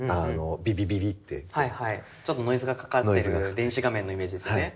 ちょっとノイズがかかってる電子画面のイメージですね。